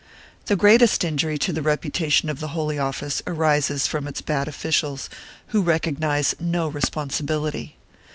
The greatest injury to the reputation of the Holy Office arises from its bad officials, who recognize no responsibility.